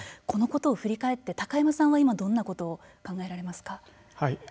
このことを振り返って高山さんは今どんなことを考えられますか。